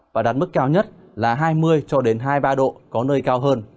và đạt mức cao nhất là hai mươi hai mươi ba độ